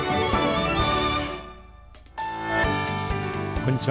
こんにちは。